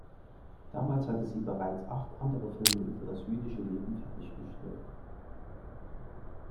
Damals hatte sie bereits acht andere Filme über das jüdische Leben fertiggestellt.